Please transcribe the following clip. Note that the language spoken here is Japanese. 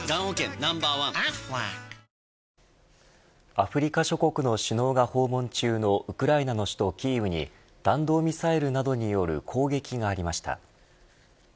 アフリカ諸国の首脳が訪問中のウクライナの首都キーウに弾道ミサイルなどによる攻撃がありました。